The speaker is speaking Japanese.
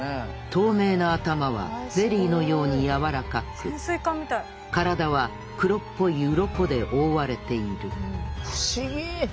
透明な頭はゼリーのように柔らかく体は黒っぽいウロコで覆われている不思議！